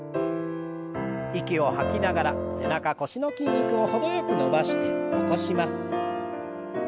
息を吐きながら背中腰の筋肉を程よく伸ばして起こします。